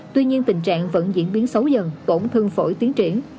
tuy nhiên tình trạng vẫn diễn biến xấu dần tổn thương phổi tiến triển